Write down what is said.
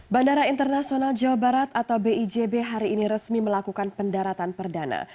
bandara internasional jawa barat atau bijb hari ini resmi melakukan pendaratan perdana